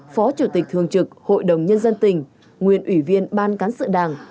phó chủ tịch thường trực hội đồng nhân dân tỉnh nguyên ủy viên ban cán sự đảng